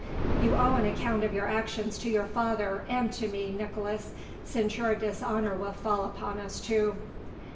"You owe an account of your actions to your father and to me, Nicolaes, since your dishonour will fall upon us too."